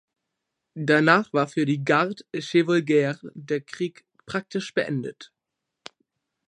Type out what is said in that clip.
Danach war für die Garde-Chevaulegers der Krieg praktisch beendet.